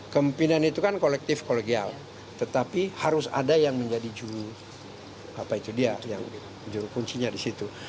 kempinan itu kan kolektif kolegial tetapi harus ada yang menjadi juru kuncinya di situ